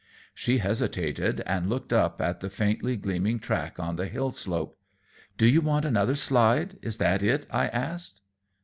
She hesitated, and looked up at the faintly gleaming track on the hill slope. "Do you want another slide? Is that it?" I asked.